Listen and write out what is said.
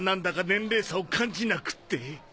年齢差を感じなくって。